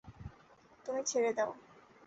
তুমি ছেড়ে দাও।